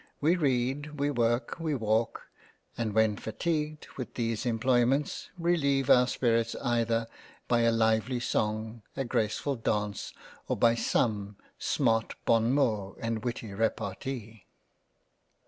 We read, we work, we walk, and when fatigued with these Employments releive our spirits, either by a lively song, a graceful Dance, or by some smart bon mot, and witty repartee.